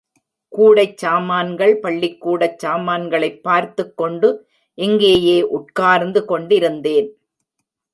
கூடைச் சாமான்கள், பள்ளிக்கூடச் சாமான்களைப் பார்த்துக் கொண்டு இங்கேயே உட்கார்ந்து கொண்டிருந்தேன்.